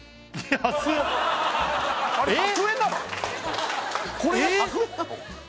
安っ！